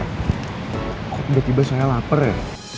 kok udah tiba tiba saya lapar ya